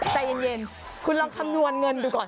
ใจเย็นคุณลองคำนวณเงินดูก่อน